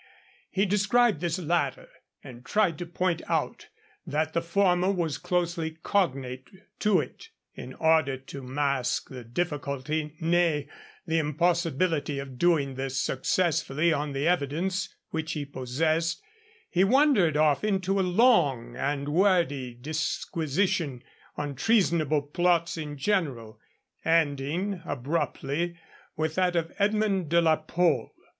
He described this latter, and tried to point out that the former was closely cognate to it. In order to mask the difficulty, nay, the impossibility, of doing this successfully on the evidence which he possessed, he wandered off into a long and wordy disquisition on treasonable plots in general, ending abruptly with that of Edmund de la Pole.